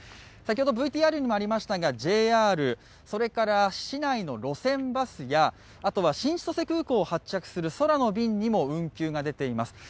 先ほどＶＴＲにもありましたがＪＲ、市内の路線バスや新千歳空港を発着する空の便にも運休が出ています。